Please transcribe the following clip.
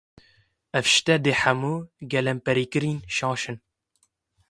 Ev jî tê de hemû gelemperîkirin şaş in.